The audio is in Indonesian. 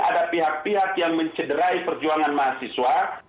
ada pihak pihak yang mencederai perjuangan mahasiswa